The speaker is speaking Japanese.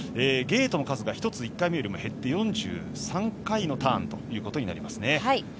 ゲートの数が１つ１回目よりも減って４３回のターンとなりますね。